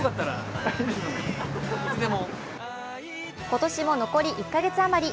今年も残り１か月余り。